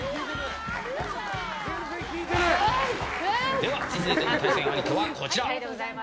では続いての対戦相手はこちら。